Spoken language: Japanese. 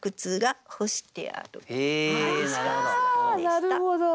なるほど。